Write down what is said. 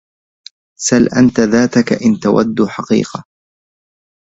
سل أنت ذاتك إن تود حقيقة